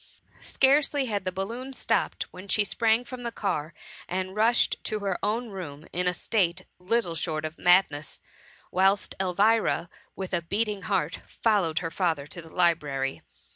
Scarcely had the balloon stopped when she sprang from the car, and rushed to her own room in a state little short of madness, whilst Elvira, with a beating heart followed her father to the library.